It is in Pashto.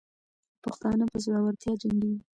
پښتانه په زړورتیا جنګېږي.